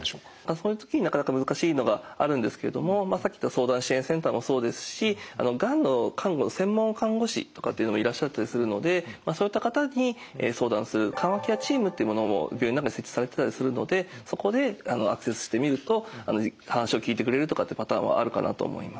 そういう時になかなか難しいのがあるんですけどもさっき言った相談支援センターもそうですしがんの看護の専門看護師とかっていうのもいらっしゃったりするのでそういった方に相談する緩和ケアチームっていうものも病院の中に設置されてたりするのでそこでアクセスしてみると話を聞いてくれるとかってパターンはあるかなと思います。